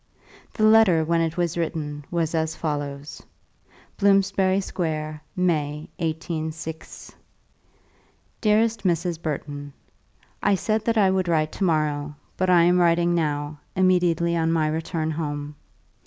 The letter when it was written was as follows: Bloomsbury Square, May, 186 . DEAREST MRS. BURTON, I said that I would write to morrow, but I am writing now, immediately on my return home.